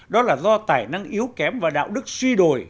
đó là do tài năng yếu kém và đạo đức suy đổi